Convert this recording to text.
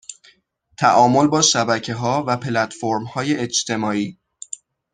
تعامل با شبکهها و پلتفرمهای اجتماعی